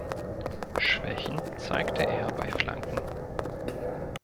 Schwächen zeigte er bei Flanken.